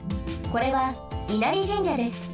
これは稲荷神社です。